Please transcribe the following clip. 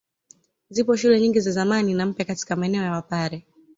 Zipo shule nyingi za zamani na mpya katika maeneo ya wapare